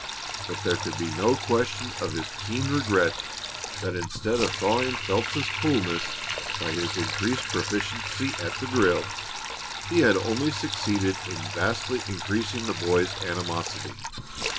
But there could be no question of his keen regret that instead of thawing Phelps's coolness by his increased proficiency at the drill, he had only succeeded in vastly increasing the boy's animosity.